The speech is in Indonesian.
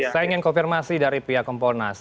saya ingin konfirmasi dari pihak kompolnas